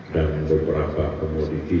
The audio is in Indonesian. dan beberapa komoditi